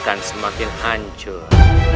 akan semakin hancur